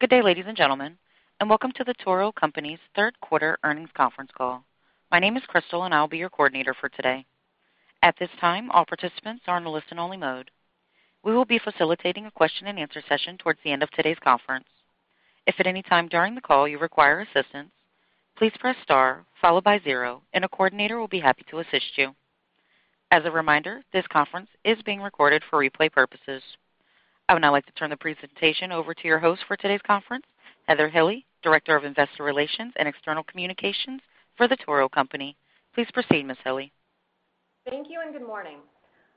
Good day, ladies and gentlemen, welcome to The Toro Company's third quarter earnings conference call. My name is Crystal, and I'll be your coordinator for today. At this time, all participants are in listen only mode. We will be facilitating a question and answer session towards the end of today's conference. If at any time during the call you require assistance, please press star followed by zero, and a coordinator will be happy to assist you. As a reminder, this conference is being recorded for replay purposes. I would now like to turn the presentation over to your host for today's conference, Heather Hille, Director of Investor Relations and External Communications for The Toro Company. Please proceed, Ms. Hille. Thank you, and good morning.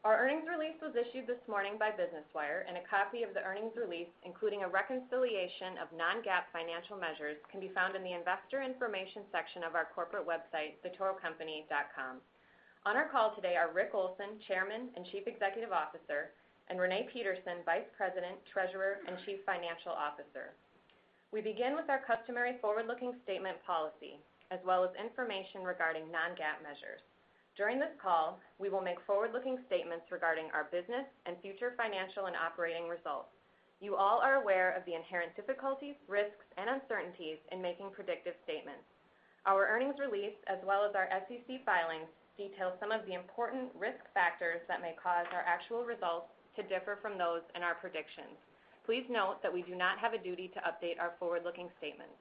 Our earnings release was issued this morning by Business Wire, and a copy of the earnings release, including a reconciliation of non-GAAP financial measures, can be found in the investor information section of our corporate website, thetorocompany.com. On our call today are Richard Olson, Chairman and Chief Executive Officer, and Renee Peterson, Vice President, Treasurer, and Chief Financial Officer. We begin with our customary forward-looking statement policy, as well as information regarding non-GAAP measures. You all are aware of the inherent difficulties, risks, and uncertainties in making predictive statements. Our earnings release, as well as our SEC filings, detail some of the important risk factors that may cause our actual results to differ from those in our predictions. Please note that we do not have a duty to update our forward-looking statements.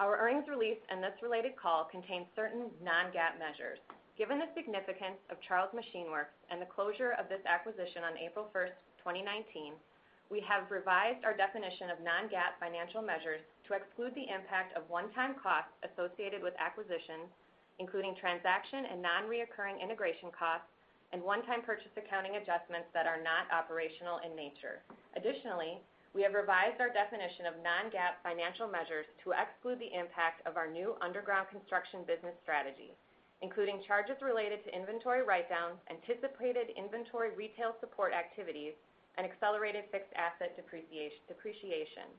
Our earnings release and this related call contain certain non-GAAP measures. Given the significance of Charles Machine Works and the closure of this acquisition on April 1, 2019, we have revised our definition of non-GAAP financial measures to exclude the impact of one-time costs associated with acquisitions, including transaction and non-reoccurring integration costs and one-time purchase accounting adjustments that are not operational in nature. Additionally, we have revised our definition of non-GAAP financial measures to exclude the impact of our new underground construction business strategy, including charges related to inventory write-downs, anticipated inventory retail support activities, and accelerated fixed asset depreciation.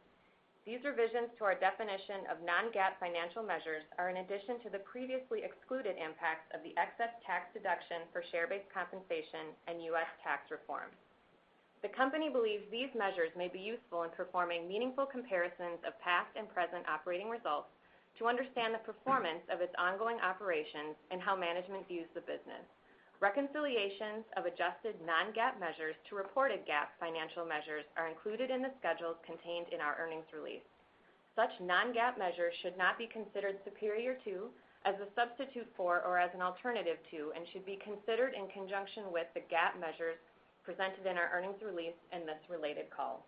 These revisions to our definition of non-GAAP financial measures are in addition to the previously excluded impacts of the excess tax deduction for share-based compensation and U.S. tax reform. The company believes these measures may be useful in performing meaningful comparisons of past and present operating results to understand the performance of its ongoing operations and how management views the business. Reconciliations of adjusted non-GAAP measures to reported GAAP financial measures are included in the schedules contained in our earnings release. Such non-GAAP measures should not be considered superior to, as a substitute for, or as an alternative to, and should be considered in conjunction with the GAAP measures presented in our earnings release and this related call.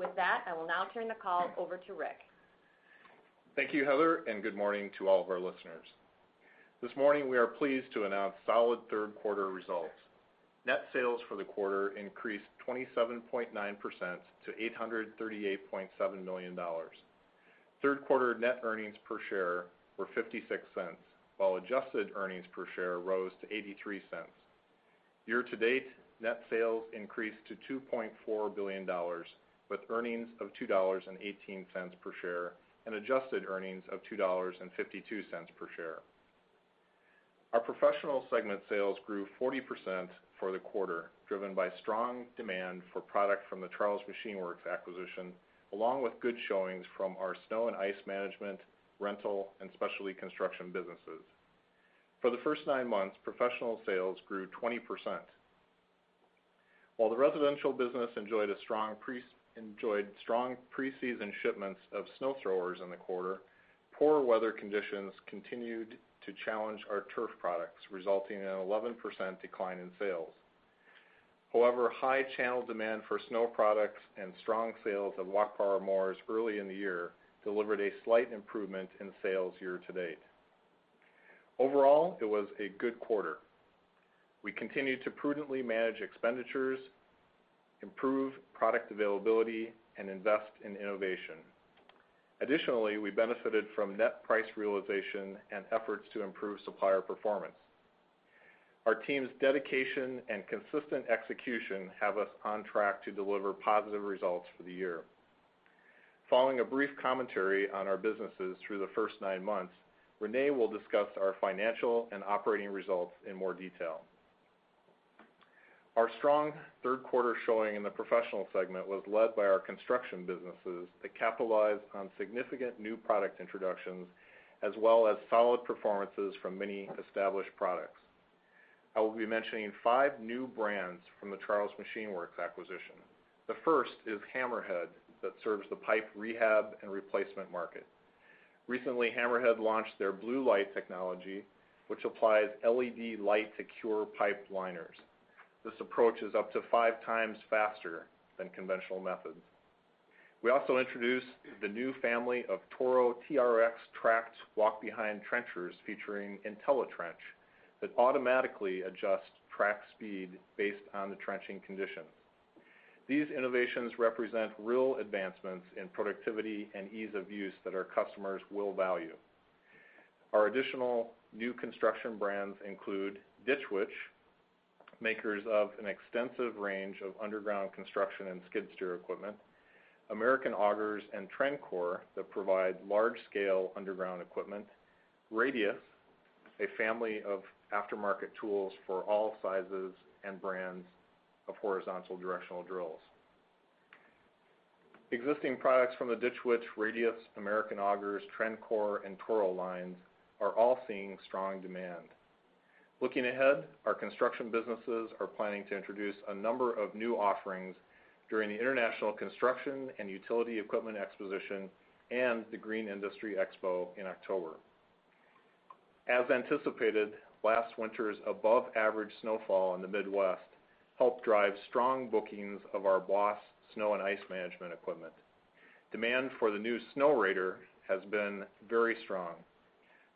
With that, I will now turn the call over to Rick. Thank you, Heather, good morning to all of our listeners. This morning, we are pleased to announce solid third-quarter results. Net sales for the quarter increased 27.9% to $838.7 million. Third-quarter net earnings per share were $0.56, while adjusted earnings per share rose to $0.83. Year-to-date net sales increased to $2.4 billion, with earnings of $2.18 per share and adjusted earnings of $2.52 per share. Our Professional segment sales grew 40% for the quarter, driven by strong demand for product from the Charles Machine Works acquisition, along with good showings from our snow and ice management, rental, and specialty construction businesses. For the first nine months, Professional sales grew 20%. While the residential business enjoyed strong pre-season shipments of snow throwers in the quarter, poor weather conditions continued to challenge our turf products, resulting in an 11% decline in sales. However, high channel demand for snow products and strong sales of walk power mowers early in the year delivered a slight improvement in sales year-to-date. Overall, it was a good quarter. We continued to prudently manage expenditures, improve product availability, and invest in innovation. Additionally, we benefited from net price realization and efforts to improve supplier performance. Our team's dedication and consistent execution have us on track to deliver positive results for the year. Following a brief commentary on our businesses through the first nine months, Renee will discuss our financial and operating results in more detail. Our strong third-quarter showing in the Professional Segment was led by our construction businesses that capitalized on significant new product introductions, as well as solid performances from many established products. I will be mentioning five new brands from the Charles Machine Works acquisition. The first is HammerHead, that serves the pipe rehab and replacement market. Recently, HammerHead launched their blue light technology, which applies LED light to cure pipe liners. This approach is up to five times faster than conventional methods. We also introduced the new family of Toro TRX tracked walk-behind trenchers featuring Intelli-Trench that automatically adjusts track speed based on the trenching conditions. These innovations represent real advancements in productivity and ease of use that our customers will value. Our additional new construction brands include Ditch Witch, makers of an extensive range of underground construction and skid steer equipment; American Augers and Trencor that provide large-scale underground equipment; Radius, a family of aftermarket tools for all sizes and brands of horizontal directional drills. Existing products from the Ditch Witch, Radius, American Augers, Trencor, and Toro lines are all seeing strong demand. Looking ahead, our construction businesses are planning to introduce a number of new offerings during the International Construction and Utility Equipment Exposition and the Green Industry Expo in October. As anticipated, last winter's above-average snowfall in the Midwest helped drive strong bookings of our Boss snow and ice management equipment. Demand for the new Snowrator has been very strong.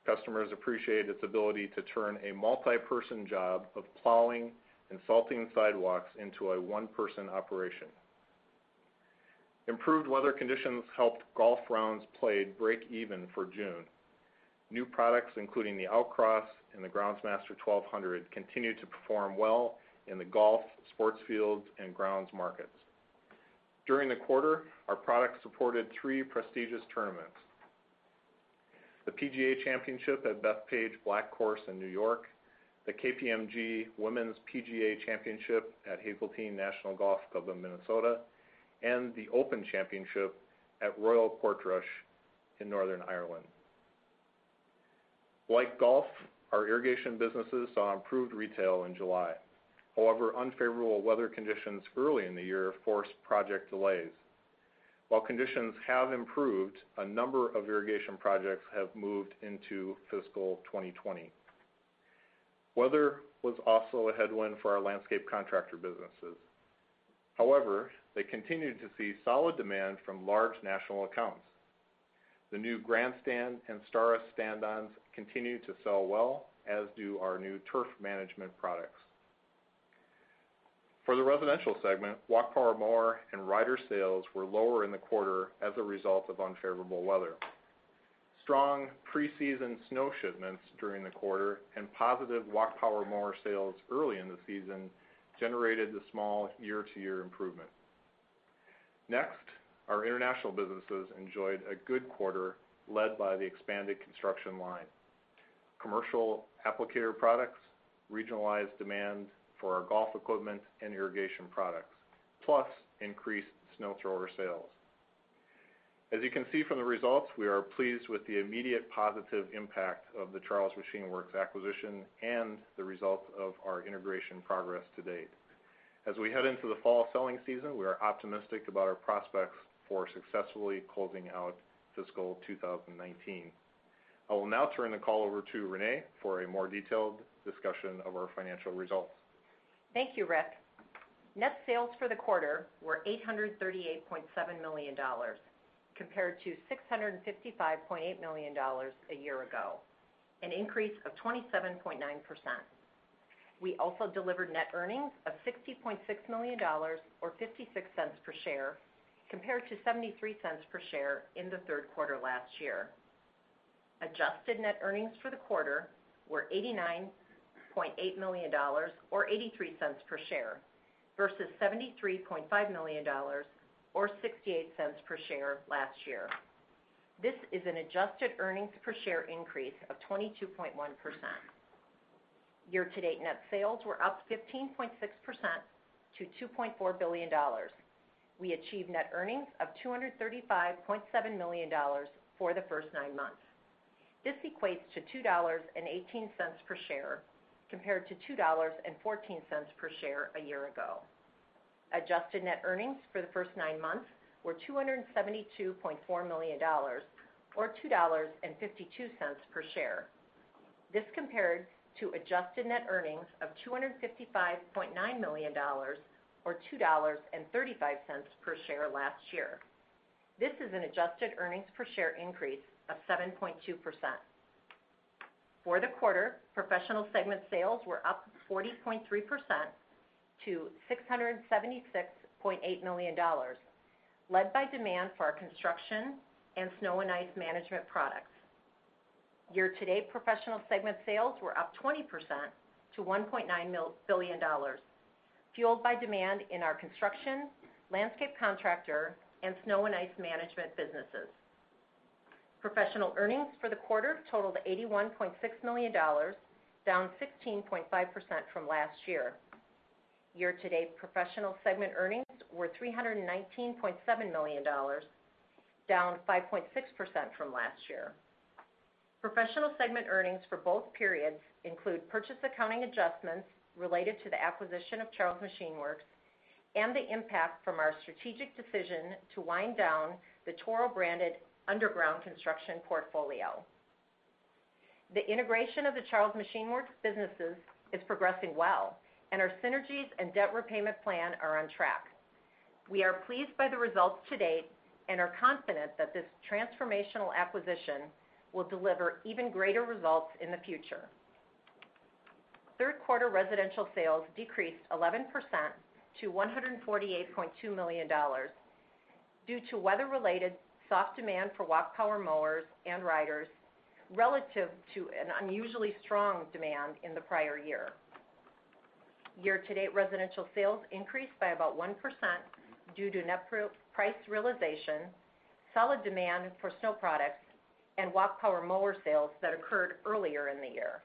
Customers appreciate its ability to turn a multi-person job of plowing and salting sidewalks into a one-person operation. Improved weather conditions helped golf rounds played break even for June. New products including the Outcross and the Groundsmaster 1200 continued to perform well in the golf, sports field, and grounds markets. During the quarter, our products supported three prestigious tournaments. The PGA Championship at Bethpage Black Course in New York, the KPMG Women's PGA Championship at Hazeltine National Golf Club in Minnesota, and The Open Championship at Royal Portrush in Northern Ireland. Like golf, our irrigation businesses saw improved retail in July. However, unfavorable weather conditions early in the year forced project delays. While conditions have improved, a number of irrigation projects have moved into fiscal 2020. Weather was also a headwind for our landscape contractor businesses. However, they continued to see solid demand from large national accounts. The new GrandStand and Staris stand-ons continue to sell well, as do our new turf management products. For the residential segment, walk power mower and rider sales were lower in the quarter as a result of unfavorable weather. Strong pre-season snow shipments during the quarter and positive walk power mower sales early in the season generated a small year-to-year improvement. Next, our international businesses enjoyed a good quarter led by the expanded construction line, commercial applicator products, regionalized demand for our golf equipment and irrigation products, plus increased snow thrower sales. As you can see from the results, we are pleased with the immediate positive impact of the Charles Machine Works acquisition and the results of our integration progress to date. As we head into the fall selling season, we are optimistic about our prospects for successfully closing out fiscal 2019. I will now turn the call over to Renee for a more detailed discussion of our financial results. Thank you, Rick. Net sales for the quarter were $838.7 million compared to $655.8 million a year ago, an increase of 27.9%. We also delivered net earnings of $60.6 million, or $0.66 per share, compared to $0.73 per share in the third quarter last year. Adjusted net earnings for the quarter were $89.8 million or $0.83 per share versus $73.5 million or $0.68 per share last year. This is an adjusted earnings per share increase of 22.1%. Year-to-date net sales were up 15.6% to $2.4 billion. We achieved net earnings of $235.7 million for the first nine months. This equates to $2.18 per share compared to $2.14 per share a year ago. Adjusted net earnings for the first nine months were $272.4 million or $2.52 per share. This compared to adjusted net earnings of $255.9 million or $2.35 per share last year. This is an adjusted earnings per share increase of 7.2%. For the quarter, Professional segment sales were up 40.3% to $676.8 million, led by demand for our construction and snow and ice management products. Year-to-date Professional segment sales were up 20% to $1.9 billion, fueled by demand in our construction, landscape contractor, and snow and ice management businesses. Professional earnings for the quarter totaled $81.6 million, down 16.5% from last year. Year-to-date Professional segment earnings were $319.7 million, down 5.6% from last year. Professional segment earnings for both periods include purchase accounting adjustments related to the acquisition of Charles Machine Works and the impact from our strategic decision to wind down the Toro-branded underground construction portfolio. The integration of the Charles Machine Works businesses is progressing well, and our synergies and debt repayment plan are on track. We are pleased by the results to date and are confident that this transformational acquisition will deliver even greater results in the future. Third quarter residential sales decreased 11% to $148.2 million due to weather-related soft demand for walk power mowers and riders relative to an unusually strong demand in the prior year. Year-to-date residential sales increased by about 1% due to net price realization, solid demand for snow products, and walk power mower sales that occurred earlier in the year.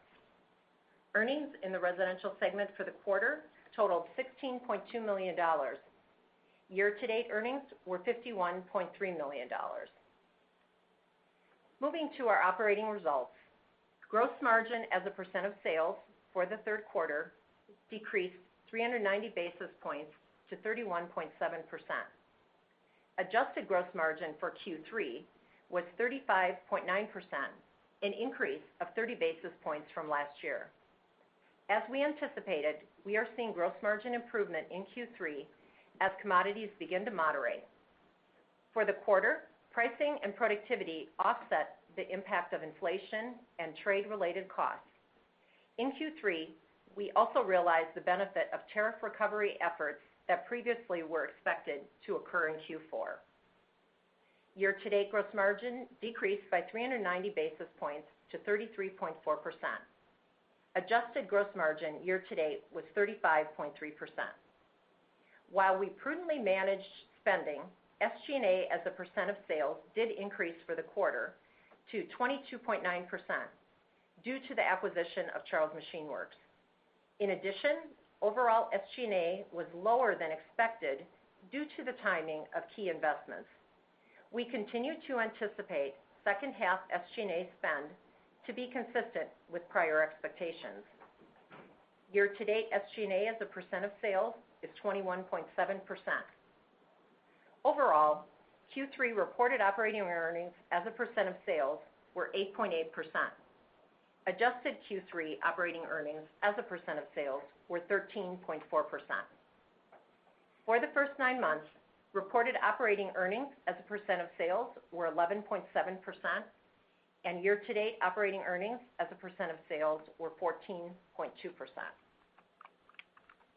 Earnings in the residential segment for the quarter totaled $16.2 million. Year-to-date earnings were $51.3 million. Moving to our operating results. Gross margin as a percent of sales for the third quarter decreased 390 basis points to 31.7%. Adjusted gross margin for Q3 was 35.9%, an increase of 30 basis points from last year. As we anticipated, we are seeing gross margin improvement in Q3 as commodities begin to moderate. For the quarter, pricing and productivity offset the impact of inflation and trade-related costs. In Q3, we also realized the benefit of tariff recovery efforts that previously were expected to occur in Q4. Year-to-date gross margin decreased by 390 basis points to 33.4%. Adjusted gross margin year-to-date was 35.3%. While we prudently managed spending, SG&A as a percent of sales did increase for the quarter to 22.9% due to the acquisition of Charles Machine Works. In addition, overall SG&A was lower than expected due to the timing of key investments. We continue to anticipate second-half SG&A spend to be consistent with prior expectations. Year-to-date SG&A as a percent of sales is 21.7%. Overall, Q3 reported operating earnings as a percent of sales were 8.8%. Adjusted Q3 operating earnings as a percent of sales were 13.4%. For the first nine months, reported operating earnings as a percent of sales were 11.7%, and year-to-date operating earnings as a percent of sales were 14.2%.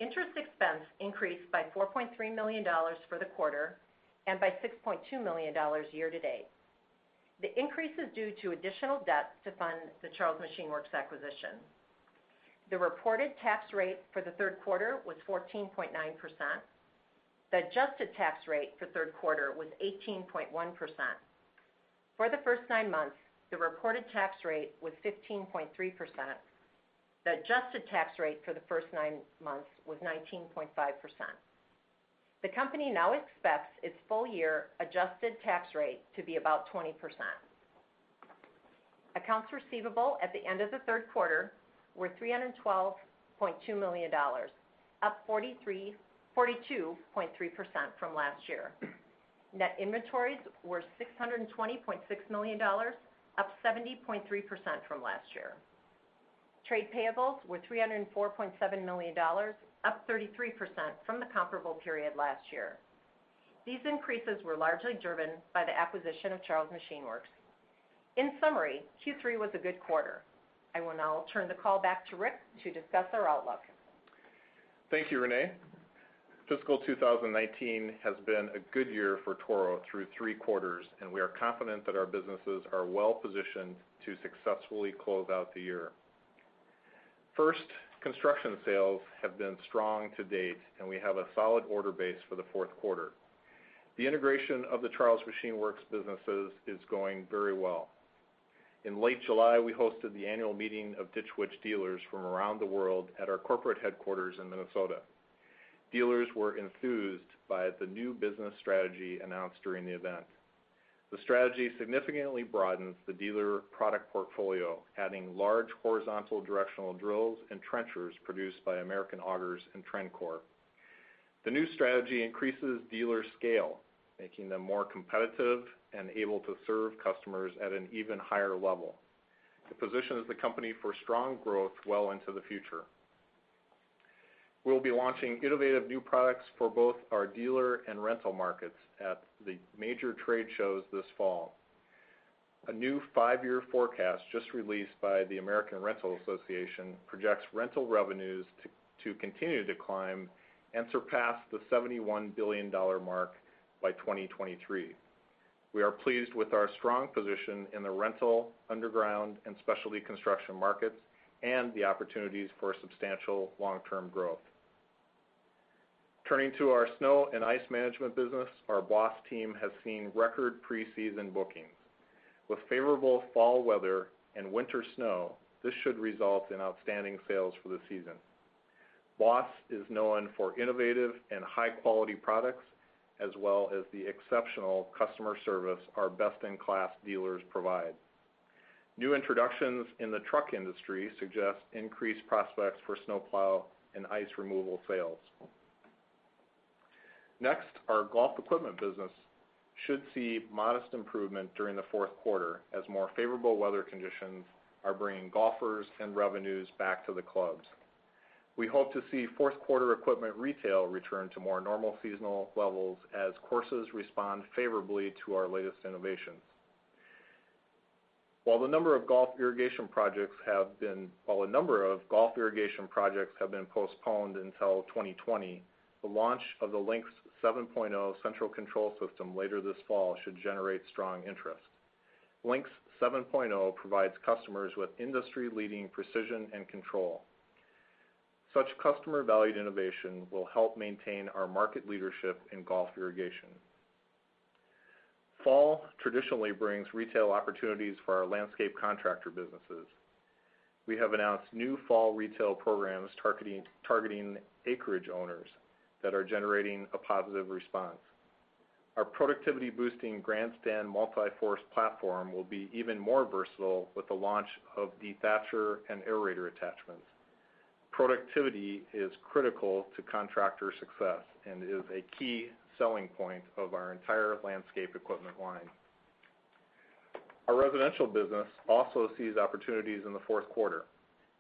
Interest expense increased by $4.3 million for the quarter and by $6.2 million year-to-date. The increase is due to additional debt to fund the Charles Machine Works acquisition. The reported tax rate for the third quarter was 14.9%. The adjusted tax rate for the third quarter was 18.1%. For the first nine months, the reported tax rate was 15.3%. The adjusted tax rate for the first nine months was 19.5%. The company now expects its full year adjusted tax rate to be about 20%. Accounts receivable at the end of the third quarter were $312.2 million, up 42.3% from last year. Net inventories were $620.6 million, up 70.3% from last year. Trade payables were $304.7 million, up 33% from the comparable period last year. These increases were largely driven by the acquisition of Charles Machine Works. In summary, Q3 was a good quarter. I will now turn the call back to Rick to discuss our outlook. Thank you, Renee. Fiscal 2019 has been a good year for Toro through three quarters, and we are confident that our businesses are well-positioned to successfully close out the year. First, construction sales have been strong to date, and we have a solid order base for the fourth quarter. The integration of the Charles Machine Works businesses is going very well. In late July, we hosted the annual meeting of Ditch Witch dealers from around the world at our corporate headquarters in Minnesota. Dealers were enthused by the new business strategy announced during the event. The strategy significantly broadens the dealer product portfolio, adding large horizontal directional drills and trenchers produced by American Augers and Trencor. The new strategy increases dealer scale, making them more competitive and able to serve customers at an even higher level. It positions the company for strong growth well into the future. We'll be launching innovative new products for both our dealer and rental markets at the major trade shows this fall. A new 5-year forecast just released by the American Rental Association projects rental revenues to continue to climb and surpass the $71 billion mark by 2023. We are pleased with our strong position in the rental, underground, and specialty construction markets, and the opportunities for substantial long-term growth. Turning to our snow and ice management business, our BOSS team has seen record pre-season bookings. With favorable fall weather and winter snow, this should result in outstanding sales for the season. BOSS is known for innovative and high-quality products, as well as the exceptional customer service our best-in-class dealers provide. New introductions in the truck industry suggest increased prospects for snow plow and ice removal sales. Our golf equipment business should see modest improvement during the fourth quarter as more favorable weather conditions are bringing golfers and revenues back to the clubs. We hope to see fourth quarter equipment retail return to more normal seasonal levels as courses respond favorably to our latest innovations. While a number of golf irrigation projects have been postponed until 2020, the launch of the Lynx 7.0 central control system later this fall should generate strong interest. Lynx 7.0 provides customers with industry-leading precision and control. Such customer-valued innovation will help maintain our market leadership in golf irrigation. Fall traditionally brings retail opportunities for our landscape contractor businesses. We have announced new fall retail programs targeting acreage owners that are generating a positive response. Our productivity-boosting GrandStand MULTI FORCE platform will be even more versatile with the launch of dethatcher and aerator attachments. Productivity is critical to contractor success and is a key selling point of our entire landscape equipment line. Our residential business also sees opportunities in the fourth quarter.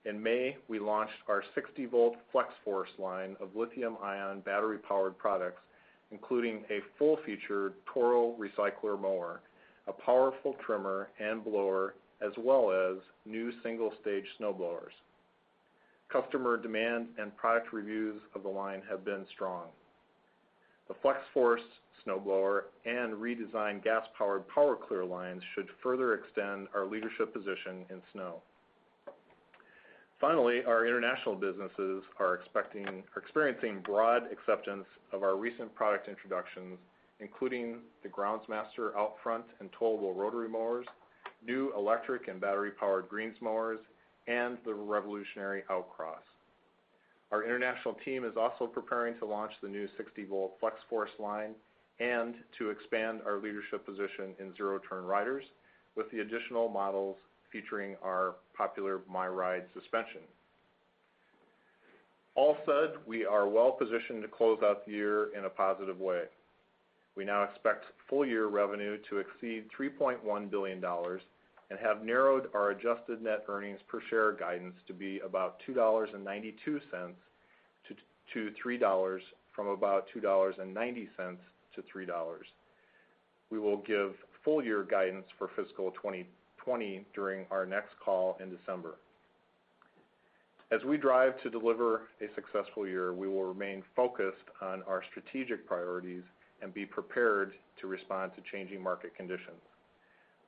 In May, we launched our 60-volt Flex-Force line of lithium-ion battery-powered products, including a full-featured Toro Recycler mower, a powerful trimmer and blower, as well as new single-stage snowblowers. Customer demand and product reviews of the line have been strong. The Flex-Force snowblower and redesigned gas-powered Power Clear line should further extend our leadership position in snow. Finally, our international businesses are experiencing broad acceptance of our recent product introductions, including the Groundsmaster OutFront and towable rotary mowers, new electric and battery-powered greens mowers, and the revolutionary Outcross. Our international team is also preparing to launch the new 60-volt Flex-Force line and to expand our leadership position in zero-turn riders with the additional models featuring our popular MyRIDE suspension. All said, we are well positioned to close out the year in a positive way. We now expect full-year revenue to exceed $3.1 billion and have narrowed our adjusted net earnings per share guidance to be about $2.92-$3 from about $2.90-$3. We will give full-year guidance for fiscal 2020 during our next call in December. As we drive to deliver a successful year, we will remain focused on our strategic priorities and be prepared to respond to changing market conditions.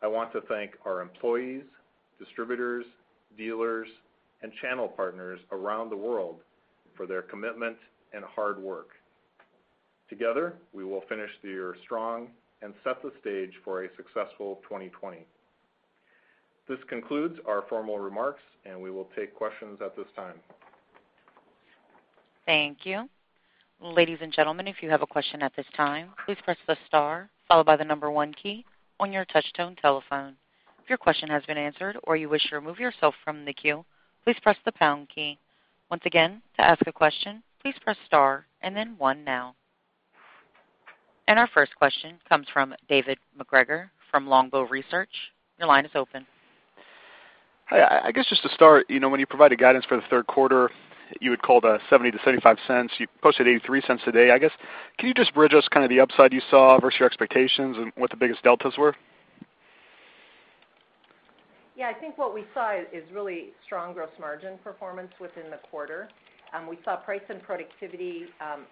I want to thank our employees, distributors, dealers, and channel partners around the world for their commitment and hard work. Together, we will finish the year strong and set the stage for a successful 2020. This concludes our formal remarks, and we will take questions at this time. Thank you. Ladies and gentlemen, if you have a question at this time, please press the star followed by the number one key on your touchtone telephone. If your question has been answered or you wish to remove yourself from the queue, please press the pound key. Once again, to ask a question, please press star and then one now. Our first question comes from David MacGregor from Longbow Research. Your line is open. Hi. I guess just to start, when you provided guidance for the third quarter, you had called $0.70 to $0.75. You posted $0.83 today. I guess, can you just bridge us the upside you saw versus your expectations and what the biggest deltas were? I think what we saw is really strong gross margin performance within the quarter. We saw price and productivity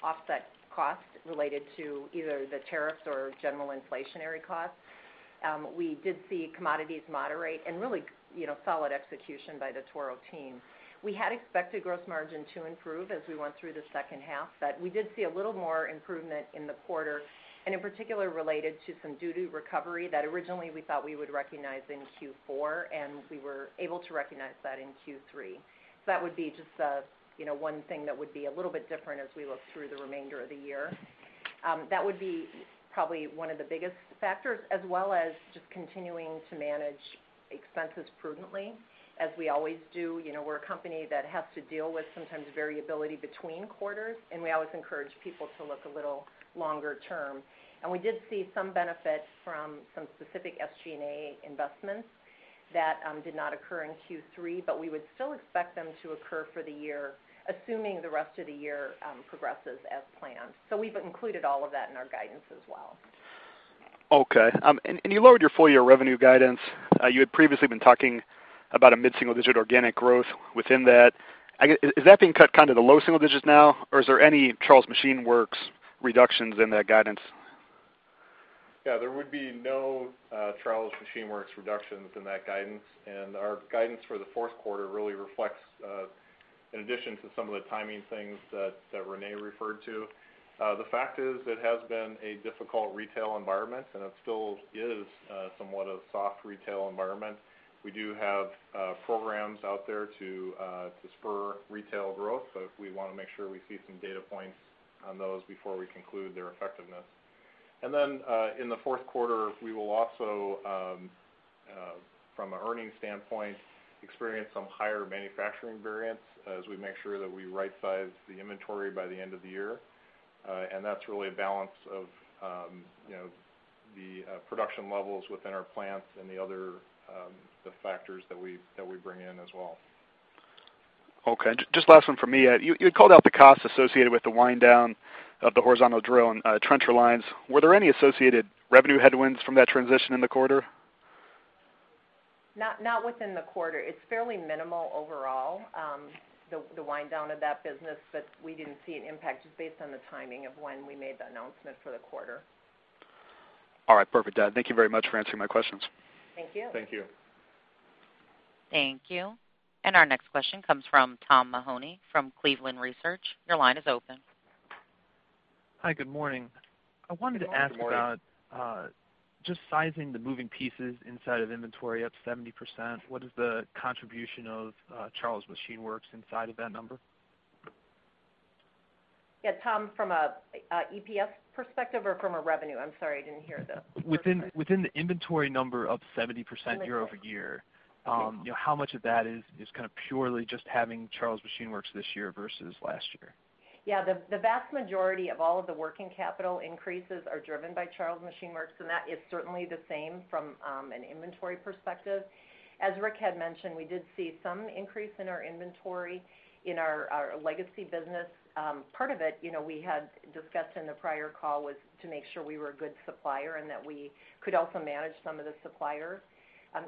offset costs related to either the tariffs or general inflationary costs. We did see commodities moderate and really solid execution by the Toro team. We had expected gross margin to improve as we went through the second half, but we did see a little more improvement in the quarter, and in particular related to some duty recovery that originally we thought we would recognize in Q4, and we were able to recognize that in Q3. That would be just one thing that would be a little bit different as we look through the remainder of the year. That would be probably one of the biggest factors, as well as just continuing to manage expenses prudently as we always do. We're a company that has to deal with sometimes variability between quarters, and we always encourage people to look a little longer term. We did see some benefit from some specific SG&A investments that did not occur in Q3, but we would still expect them to occur for the year, assuming the rest of the year progresses as planned. We've included all of that in our guidance as well. Okay. You lowered your full-year revenue guidance. You had previously been talking about a mid-single-digit organic growth within that. Is that being cut to low single digits now, or is there any Charles Machine Works reductions in that guidance? Yeah, there would be no Charles Machine Works reductions in that guidance, and our guidance for the fourth quarter really reflects, in addition to some of the timing things that Renee referred to. The fact is it has been a difficult retail environment, and it still is somewhat a soft retail environment. We do have programs out there to spur retail growth, but we want to make sure we see some data points on those before we conclude their effectiveness. In the fourth quarter, we will also, from an earnings standpoint, experience some higher manufacturing variance as we make sure that we right-size the inventory by the end of the year. That's really a balance of the production levels within our plants and the other factors that we bring in as well. Okay. Just last one from me. You had called out the cost associated with the wind-down of the horizontal drill and trencher lines. Were there any associated revenue headwinds from that transition in the quarter? Not within the quarter. It's fairly minimal overall, the wind down of that business. We didn't see an impact just based on the timing of when we made the announcement for the quarter. All right. Perfect. Thank you very much for answering my questions. Thank you. Thank you. Thank you. Our next question comes from Tom Mahoney from Cleveland Research. Your line is open. Hi, good morning. Good morning. I wanted to ask about just sizing the moving pieces inside of inventory up 70%. What is the contribution of Charles Machine Works inside of that number? Yeah, Tom, from a EPS perspective or from a revenue? I'm sorry, I didn't hear the first part. Within the inventory number up 70% year-over-year. Inventory. How much of that is just purely just having Charles Machine Works this year versus last year? Yeah. The vast majority of all of the working capital increases are driven by Charles Machine Works, that is certainly the same from an inventory perspective. As Rick had mentioned, we did see some increase in our inventory in our legacy business. Part of it, we had discussed in the prior call, was to make sure we were a good supplier and that we could also manage some of the supplier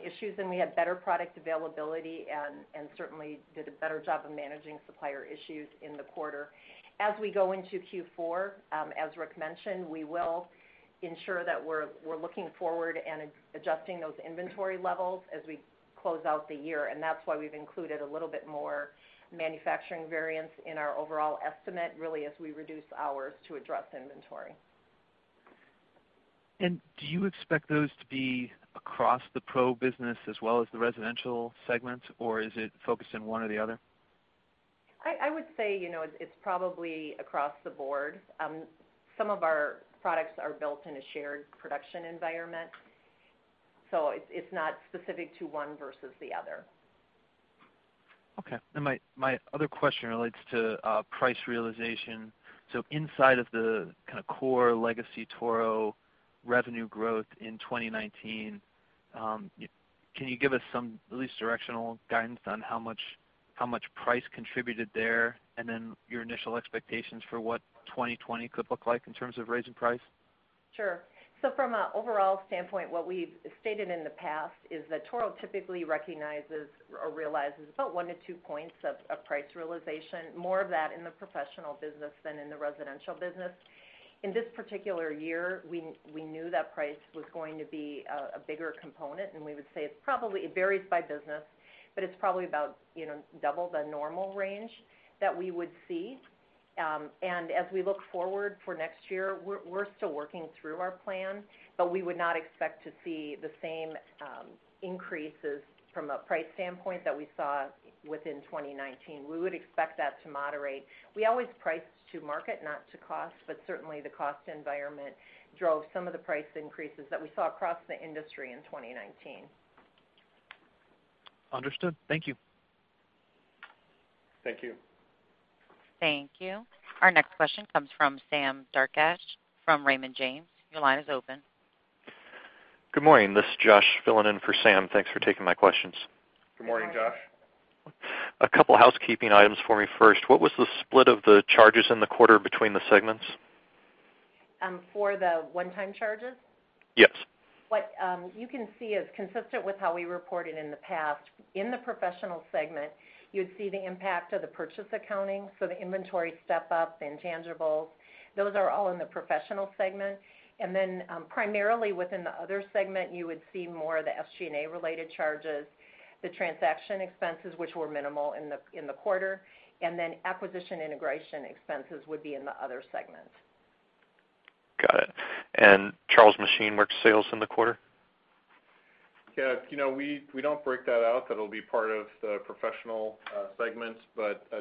issues. We had better product availability and certainly did a better job of managing supplier issues in the quarter. As we go into Q4, as Rick mentioned, we will ensure that we're looking forward and adjusting those inventory levels as we close out the year. That's why we've included a little bit more manufacturing variance in our overall estimate, really, as we reduce hours to address inventory. Do you expect those to be across the Pro business as well as the Residential segments, or is it focused on one or the other? I would say, it's probably across the board. Some of our products are built in a shared production environment, so it's not specific to one versus the other. Okay. My other question relates to price realization. So inside of the core legacy Toro revenue growth in 2019, can you give us some, at least, directional guidance on how much price contributed there, your initial expectations for what 2020 could look like in terms of raising price? Sure. From an overall standpoint, what we've stated in the past is that Toro typically recognizes or realizes about one to two points of price realization, more of that in the professional business than in the residential business. In this particular year, we knew that price was going to be a bigger component, we would say it varies by business, but it's probably about double the normal range that we would see. As we look forward for next year, we're still working through our plan, but we would not expect to see the same increases from a price standpoint that we saw within 2019. We would expect that to moderate. We always price to market, not to cost, certainly the cost environment drove some of the price increases that we saw across the industry in 2019. Understood. Thank you. Thank you. Thank you. Our next question comes from Sam Darkatsh from Raymond James. Your line is open. Good morning. This is Josh filling in for Sam. Thanks for taking my questions. Good morning, Josh. You're welcome. A couple housekeeping items for me first. What was the split of the charges in the quarter between the segments? For the one-time charges? Yes. What you can see is consistent with how we reported in the past. In the Professional segment, you'd see the impact of the purchase accounting. The inventory step-up, intangibles, those are all in the Professional segment. Primarily within the Other segment, you would see more of the SG&A-related charges, the transaction expenses, which were minimal in the quarter, and then acquisition integration expenses would be in the Other segment. Got it. Charles Machine Works sales in the quarter? Yeah. We don't break that out. That'll be part of the Professional segments.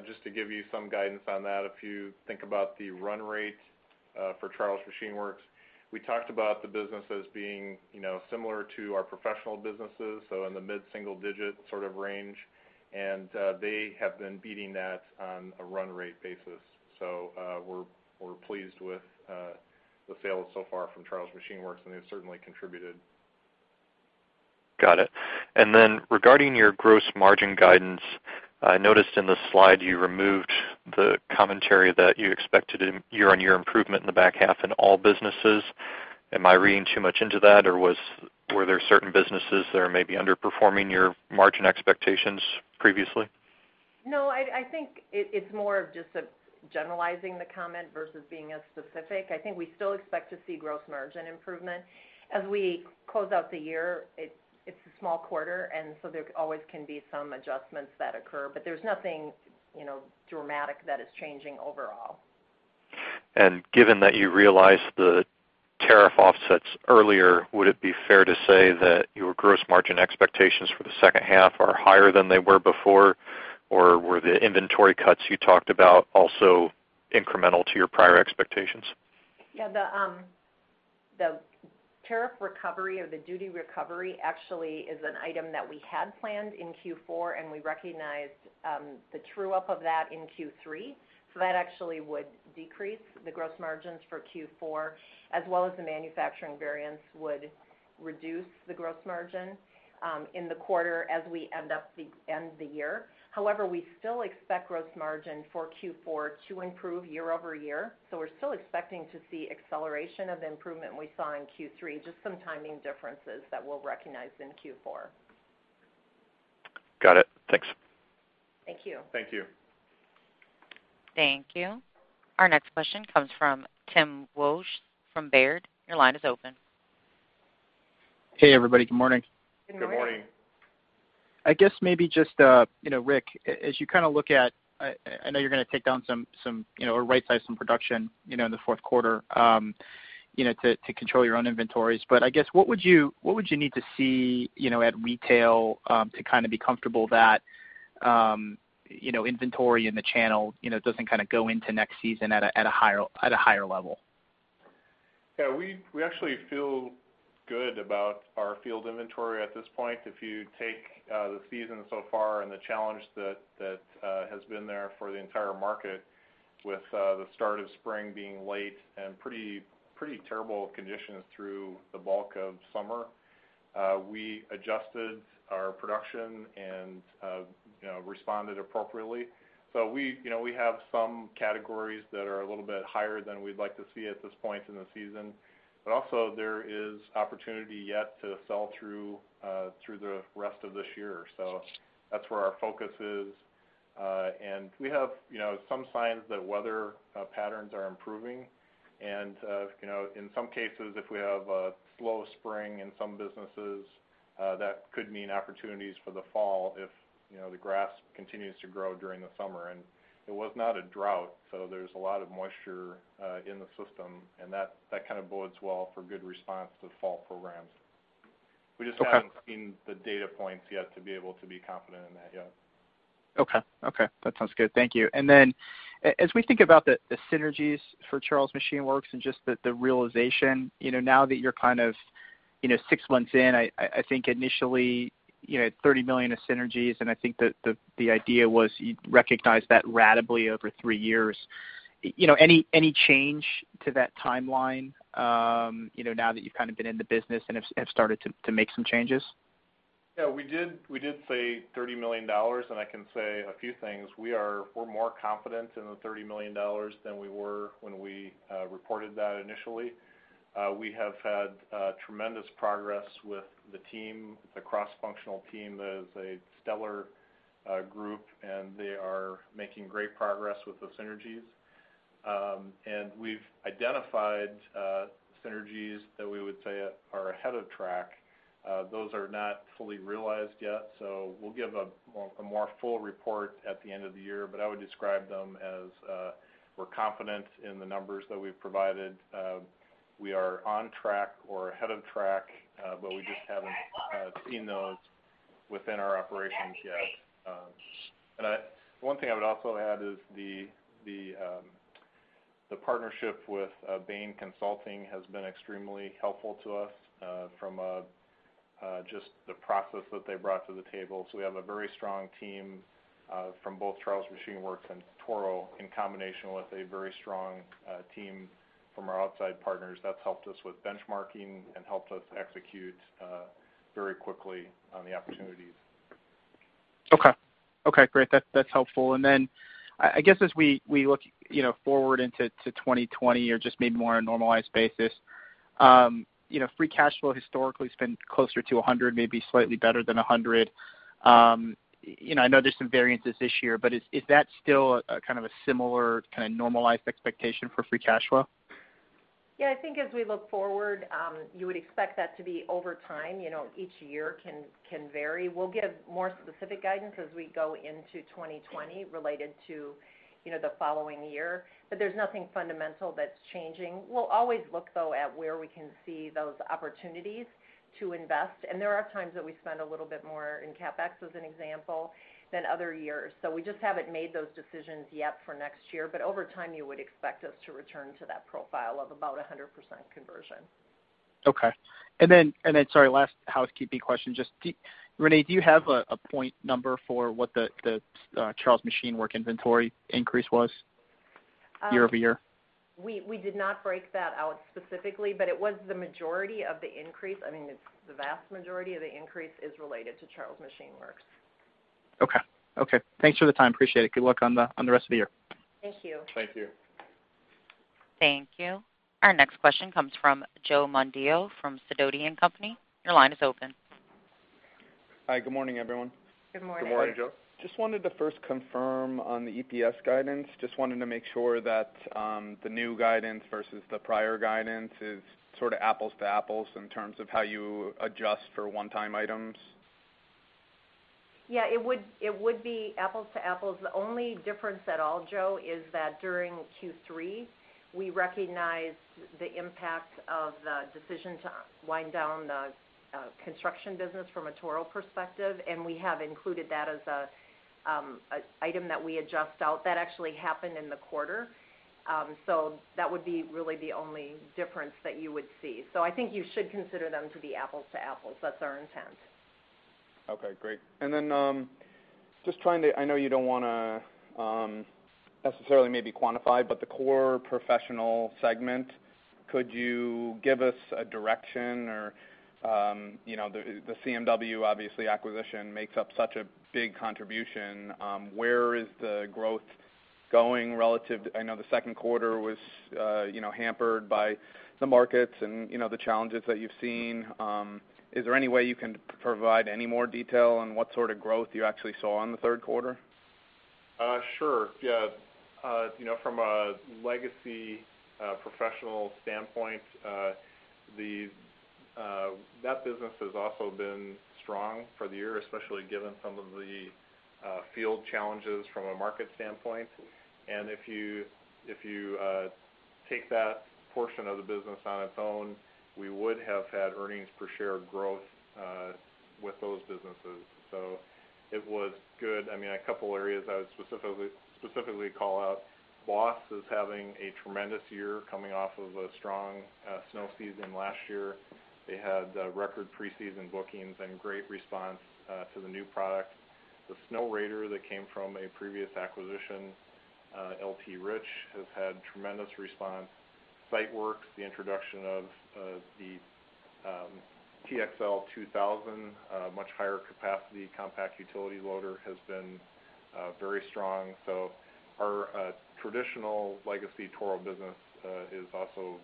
Just to give you some guidance on that, if you think about the run rate for Charles Machine Works, we talked about the business as being similar to our professional businesses, so in the mid-single digit range. They have been beating that on a run rate basis. We're pleased with the sales so far from Charles Machine Works, and they've certainly contributed. Got it. Then regarding your gross margin guidance, I noticed in the slide you removed the commentary that you expected a year-on-year improvement in the back half in all businesses. Am I reading too much into that, or were there certain businesses that are maybe underperforming your margin expectations previously? No, I think it's more of just generalizing the comment versus being as specific. I think we still expect to see gross margin improvement. As we close out the year, it's a small quarter, and so there always can be some adjustments that occur. There's nothing dramatic that is changing overall. Given that you realized the tariff offsets earlier, would it be fair to say that your gross margin expectations for the second half are higher than they were before? Were the inventory cuts you talked about also incremental to your prior expectations? The tariff recovery or the duty recovery actually is an item that we had planned in Q4, and we recognized the true-up of that in Q3. That actually would decrease the gross margins for Q4, as well as the manufacturing variance would reduce the gross margin in the quarter as we end the year. However, we still expect gross margin for Q4 to improve year-over-year. We're still expecting to see acceleration of improvement we saw in Q3, just some timing differences that we'll recognize in Q4. Got it. Thanks. Thank you. Thank you. Thank you. Our next question comes from Tim Wojs from Baird. Your line is open. Hey, everybody. Good morning. Good morning. Good morning. I guess maybe just, Rick, as you look at I know you're going to take down or right-size some production in the fourth quarter to control your own inventories. I guess, what would you need to see at retail to be comfortable that inventory in the channel doesn't go into next season at a higher level? We actually feel good about our field inventory at this point. If you take the season so far and the challenge that has been there for the entire market with the start of spring being late and pretty terrible conditions through the bulk of summer, we adjusted our production and responded appropriately. We have some categories that are a little bit higher than we'd like to see at this point in the season, but also there is opportunity yet to sell through the rest of this year. That's where our focus is. We have some signs that weather patterns are improving and, in some cases, if we have a slow spring in some businesses, that could mean opportunities for the fall if the grass continues to grow during the summer. It was not a drought, so there's a lot of moisture in the system, and that bodes well for good response to the fall programs. Okay. We just haven't seen the data points yet to be able to be confident in that yet. Okay. That sounds good. Thank you. As we think about the synergies for Charles Machine Works and just the realization, now that you're six months in, I think initially $30 million of synergies, and I think the idea was you'd recognize that ratably over three years. Any change to that timeline now that you've been in the business and have started to make some changes? Yeah, we did say $30 million. I can say a few things. We're more confident in the $30 million than we were when we reported that initially. We have had tremendous progress with the team, the cross-functional team. That is a stellar group, and they are making great progress with the synergies. We've identified synergies that we would say are ahead of track. Those are not fully realized yet, so we'll give a more full report at the end of the year. I would describe them as we're confident in the numbers that we've provided. We are on track or ahead of track. Okay. All right. Well, that's all. We just haven't seen those within our operations yet. That'd be great. One thing I would also add is the partnership with Bain & Company has been extremely helpful to us from just the process that they brought to the table. We have a very strong team from both Charles Machine Works and Toro in combination with a very strong team from our outside partners. That's helped us with benchmarking and helped us execute very quickly on the opportunities. Okay, great. That's helpful. I guess as we look forward into 2020 or just maybe more on a normalized basis, free cash flow historically has been closer to $100, maybe slightly better than $100. I know there's some variances this year, but is that still a similar kind of normalized expectation for free cash flow? Yeah, I think as we look forward, you would expect that to be over time. Each year can vary. We'll give more specific guidance as we go into 2020 related to the following year. There's nothing fundamental that's changing. We'll always look, though, at where we can see those opportunities to invest. There are times that we spend a little bit more in CapEx, as an example, than other years. We just haven't made those decisions yet for next year. Over time, you would expect us to return to that profile of about 100% conversion. Okay. Sorry, last housekeeping question. Just, Renee, do you have a point number for what the Charles Machine Works inventory increase was year-over-year? We did not break that out specifically, but it was the majority of the increase. I mean, the vast majority of the increase is related to Charles Machine Works. Okay. Thanks for the time. Appreciate it. Good luck on the rest of the year. Thank you. Thank you. Thank you. Our next question comes from Joe Mondillo from Sidoti & Company. Your line is open. Hi. Good morning, everyone. Good morning. Good morning, Joe. Just wanted to first confirm on the EPS guidance. Just wanted to make sure that the new guidance versus the prior guidance is sort of apples to apples in terms of how you adjust for one-time items. Yeah, it would be apples to apples. The only difference at all, Joe, is that during Q3, we recognized the impact of the decision to wind down the construction business from a Toro perspective, and we have included that as an item that we adjust out. That actually happened in the quarter. That would be really the only difference that you would see. I think you should consider them to be apples to apples. That's our intent. Okay, great. I know you don't want to necessarily maybe quantify, but the core Professional segment, could you give us a direction? The CMW, obviously, acquisition makes up such a big contribution. Where is the growth going relative. I know the second quarter was hampered by the markets and the challenges that you've seen. Is there any way you can provide any more detail on what sort of growth you actually saw in the third quarter? Sure. Yeah. From a legacy Professional standpoint, that business has also been strong for the year, especially given some of the field challenges from a market standpoint. If you take that portion of the business on its own, we would have had earnings per share growth with those businesses. It was good. A couple areas I would specifically call out. Boss is having a tremendous year coming off of a strong snow season last year. They had record preseason bookings and great response to the new product. The Snowrator that came from a previous acquisition, L.T. Rich, has had tremendous response. Sitework Systems, the introduction of the TXL 2000, a much higher capacity compact utility loader, has been very strong. Our traditional legacy Toro business is also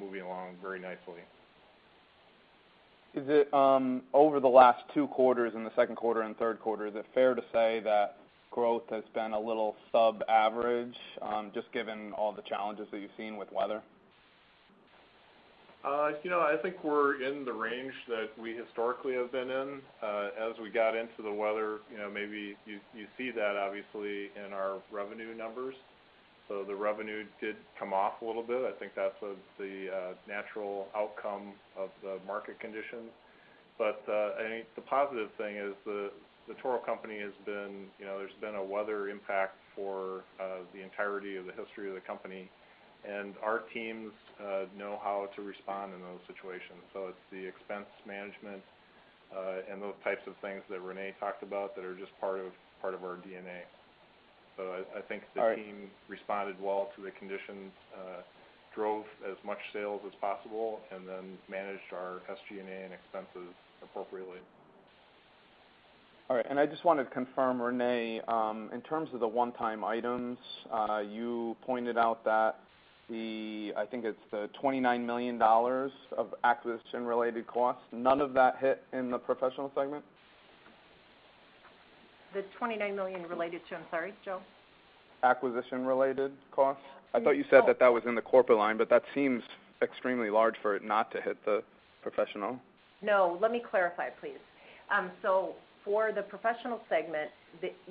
moving along very nicely. Over the last two quarters, in the second quarter and third quarter, is it fair to say that growth has been a little sub-average, just given all the challenges that you've seen with weather? I think we're in the range that we historically have been in. As we got into the weather, maybe you see that obviously in our revenue numbers. The revenue did come off a little bit. I think that's the natural outcome of the market conditions. I think the positive thing is The Toro Company, there's been a weather impact for the entirety of the history of the company, and our teams know how to respond in those situations. It's the expense management, and those types of things that Renee talked about that are just part of our D&A. All right. The team responded well to the conditions, drove as much sales as possible, and then managed our SG&A and expenses appropriately. All right. I just wanted to confirm, Renee, in terms of the one-time items, you pointed out that the, I think it's the $29 million of acquisition-related costs, none of that hit in the Professional segment? The $29 million related to, I'm sorry, Joe? Acquisition-related costs. I thought you said that was in the corporate line, but that seems extremely large for it not to hit the Professional. No, let me clarify, please. For the Professional segment,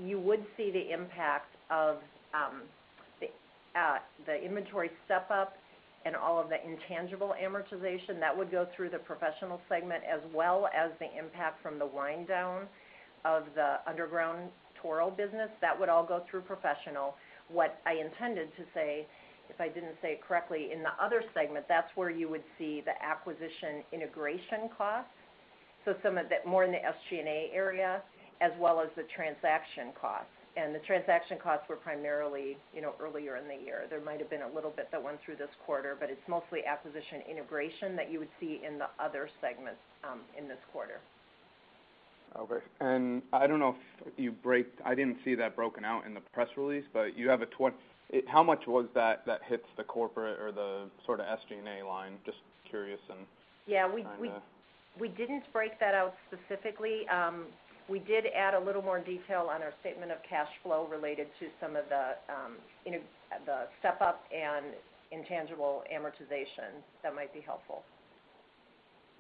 you would see the impact of the inventory step-up and all of the intangible amortization, that would go through the Professional segment, as well as the impact from the wind-down of the underground Toro business. That would all go through Professional. What I intended to say, if I didn't say it correctly, in the Other segment, that's where you would see the acquisition integration costs. Some of the more in the SG&A area, as well as the transaction costs. The transaction costs were primarily earlier in the year. There might've been a little bit that went through this quarter, but it's mostly acquisition integration that you would see in the Other segment in this quarter. Okay. I didn't see that broken out in the press release, but how much of that hits the corporate or the sort of SG&A line? Just curious. Yeah, we didn't break that out specifically. We did add a little more detail on our statement of cash flow related to some of the step-up and intangible amortization. That might be helpful.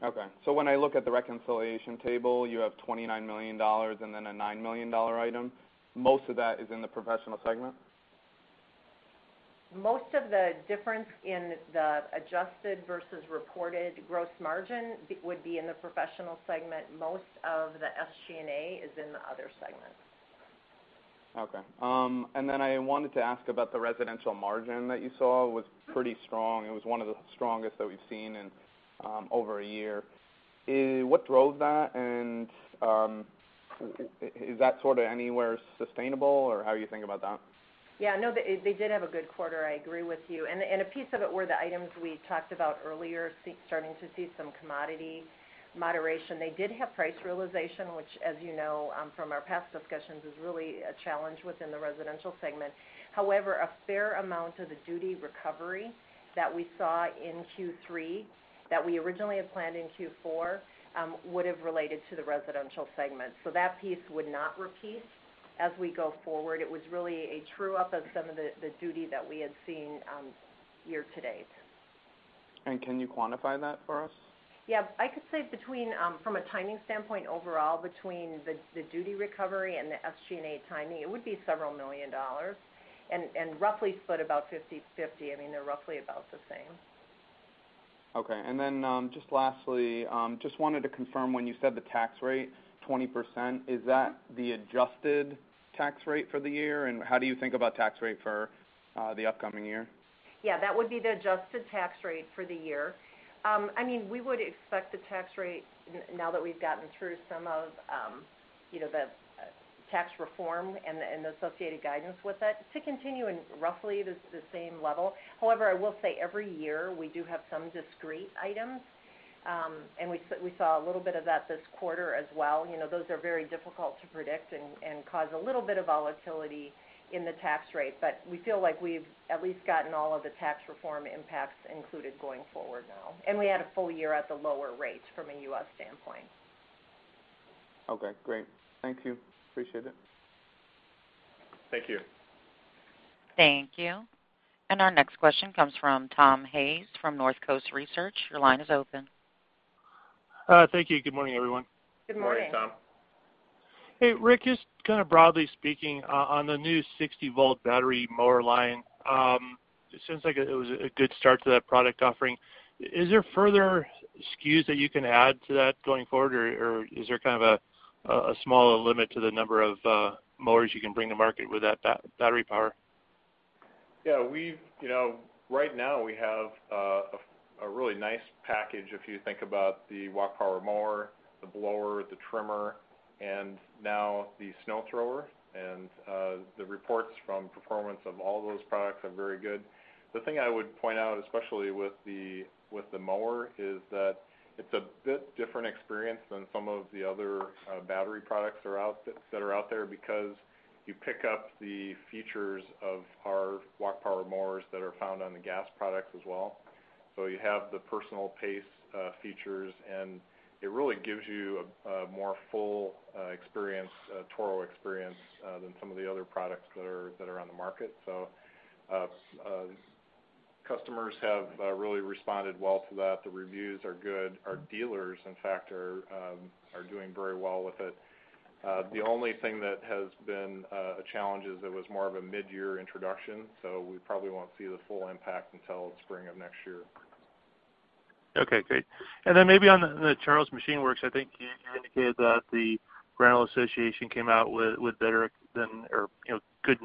Okay. When I look at the reconciliation table, you have $29 million and then a $9 million item. Most of that is in the Professional segment? Most of the difference in the adjusted versus reported gross margin would be in the Professional Segment. Most of the SG&A is in the Other Segment. Okay. I wanted to ask about the Residential margin that you saw. It was pretty strong. It was one of the strongest that we've seen in over a year. What drove that, and is that sort of anywhere sustainable, or how do you think about that? Yeah, no, they did have a good quarter. I agree with you. A piece of it were the items we talked about earlier, starting to see some commodity moderation. They did have price realization, which, as you know from our past discussions, is really a challenge within the Residential segment. However, a fair amount of the duty recovery that we saw in Q3 that we originally had planned in Q4, would've related to the Residential segment. That piece would not repeat as we go forward. It was really a true-up of some of the duty that we had seen year to date. Can you quantify that for us? Yeah. I could say from a timing standpoint overall, between the duty recovery and the SG&A timing, it would be several million dollars. Roughly split about 50/50. They're roughly about the same. Okay. Just lastly, just wanted to confirm when you said the tax rate, 20%, is that the adjusted tax rate for the year? How do you think about tax rate for the upcoming year? Yeah, that would be the adjusted tax rate for the year. We would expect the tax rate, now that we've gotten through some of the tax reform and the associated guidance with it, to continue in roughly the same level. I will say every year, we do have some discrete items. We saw a little bit of that this quarter as well. Those are very difficult to predict and cause a little bit of volatility in the tax rate. We feel like we've at least gotten all of the tax reform impacts included going forward now, and we had a full year at the lower rate from a U.S. standpoint. Okay, great. Thank you. Appreciate it. Thank you. Thank you. Our next question comes from Tom Hayes from Northcoast Research. Your line is open. Thank you. Good morning, everyone. Good morning. Morning, Tom. Hey, Rick, just kind of broadly speaking, on the new 60-volt battery mower line, it seems like it was a good start to that product offering. Is there further SKUs that you can add to that going forward, or is there kind of a smaller limit to the number of mowers you can bring to market with that battery power? Yeah. Right now, we have a really nice package if you think about the Walk Power mower, the blower, the trimmer, and now the snow thrower, and the reports from performance of all those products are very good. The thing I would point out, especially with the mower, is that it's a bit different experience than some of the other battery products that are out there because you pick up the features of our Walk Power mowers that are found on the gas products as well. You have the Personal Pace features, and it really gives you a more full Toro experience than some of the other products that are on the market. Customers have really responded well to that. The reviews are good. Our dealers, in fact, are doing very well with it. The only thing that has been a challenge is it was more of a mid-year introduction, so we probably won't see the full impact until spring of next year. Okay, great. Maybe on the Charles Machine Works, I think you indicated that the Rental Association came out with good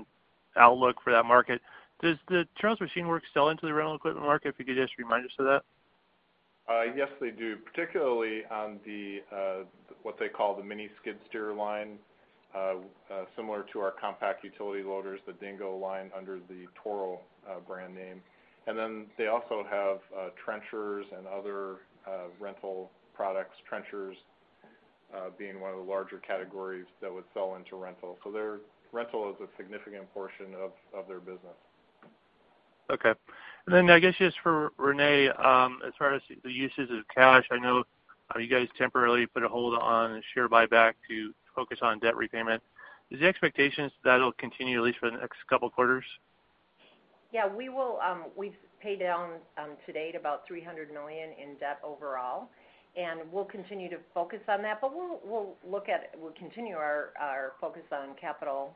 outlook for that market. Does the Charles Machine Works sell into the rental equipment market? If you could just remind us of that. Yes, they do, particularly on what they call the mini skid steer line, similar to our compact utility loaders, the Dingo line under the Toro brand name. They also have trenchers and other rental products, trenchers being one of the larger categories that would sell into rental. Rental is a significant portion of their business. Okay. I guess just for Renee, as far as the uses of cash, I know you guys temporarily put a hold on the share buyback to focus on debt repayment. Is the expectation that'll continue at least for the next couple quarters? Yeah. We've paid down, to date, about $300 million in debt overall. We'll continue to focus on that. We'll continue our focus on capital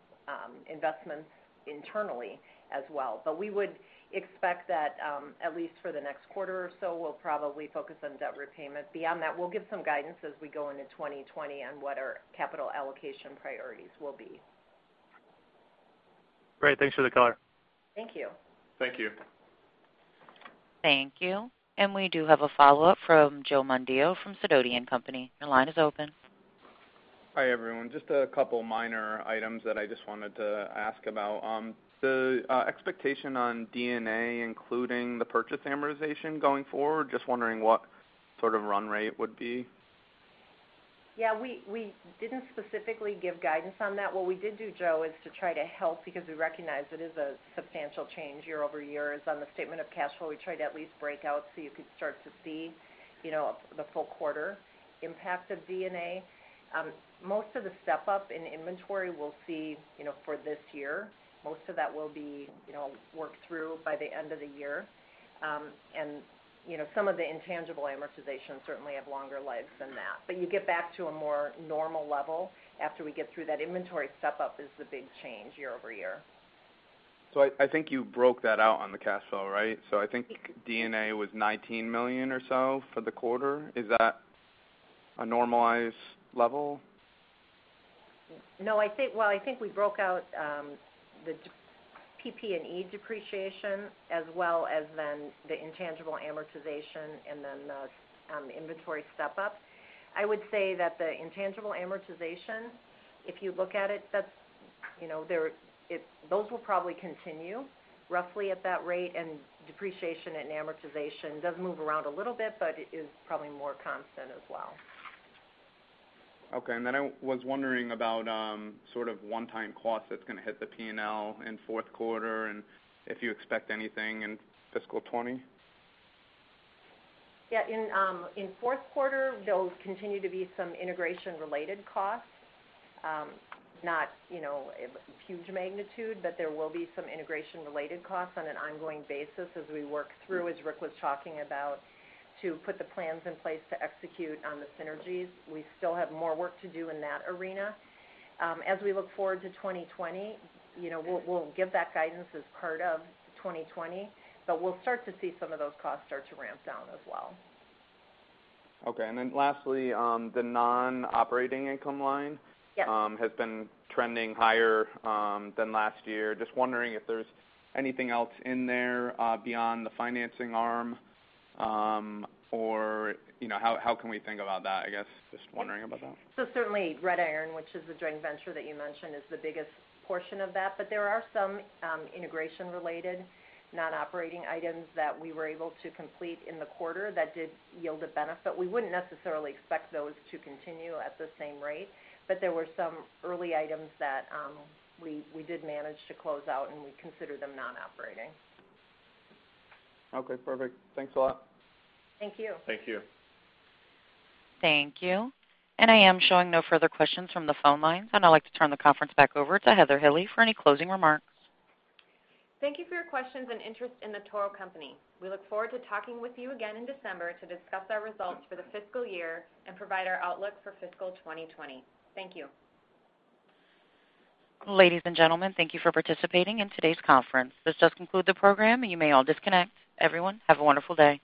investments internally as well. We would expect that, at least for the next quarter or so, we'll probably focus on debt repayment. Beyond that, we'll give some guidance as we go into 2020 on what our capital allocation priorities will be. Great. Thanks for the color. Thank you. Thank you. Thank you. We do have a follow-up from Joe Mondillo from Sidoti & Company. Your line is open. Hi, everyone. Just a couple minor items that I just wanted to ask about. The expectation on D&A, including the purchase amortization going forward, just wondering what sort of run rate would be. Yeah, we didn't specifically give guidance on that. What we did do, Joe, is to try to help because we recognize it is a substantial change year-over-year. On the statement of cash flow, we tried to at least break out so you could start to see the full quarter impact of D&A. Most of the step-up in inventory we'll see for this year. Most of that will be worked through by the end of the year. Some of the intangible amortization certainly have longer lives than that. You get back to a more normal level after we get through that inventory step-up is the big change year-over-year. I think you broke that out on the cash flow, right? I think D&A was $19 million or so for the quarter. Is that a normalized level? No. Well, I think we broke out the PP&E depreciation as well as then the intangible amortization and then the inventory step-up. I would say that the intangible amortization, if you look at it, those will probably continue roughly at that rate. Depreciation and amortization does move around a little bit, but it is probably more constant as well. Okay. I was wondering about sort of one-time cost that's going to hit the P&L in fourth quarter and if you expect anything in fiscal 2020. Yeah. In fourth quarter, there'll continue to be some integration-related costs. Not huge magnitude, there will be some integration-related costs on an ongoing basis as we work through, as Rick was talking about, to put the plans in place to execute on the synergies. We still have more work to do in that arena. As we look forward to 2020, we'll give that guidance as part of 2020. We'll start to see some of those costs start to ramp down as well. Okay. Lastly, the non-operating income line. Yes has been trending higher than last year. Just wondering if there's anything else in there beyond the financing arm, or how can we think about that, I guess? Just wondering about that. Certainly Red Iron, which is the joint venture that you mentioned, is the biggest portion of that. There are some integration-related non-operating items that we were able to complete in the quarter that did yield a benefit. We wouldn't necessarily expect those to continue at the same rate, but there were some early items that we did manage to close out, and we consider them non-operating. Okay, perfect. Thanks a lot. Thank you. Thank you. Thank you. I am showing no further questions from the phone lines, and I'd like to turn the conference back over to Heather Hille for any closing remarks. Thank you for your questions and interest in The Toro Company. We look forward to talking with you again in December to discuss our results for the fiscal year and provide our outlook for fiscal 2020. Thank you. Ladies and gentlemen, thank you for participating in today's conference. This does conclude the program. You may all disconnect. Everyone, have a wonderful day.